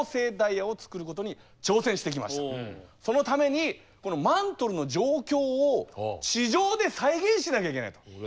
そのためにこのマントルの状況を地上で再現しなきゃいけないと。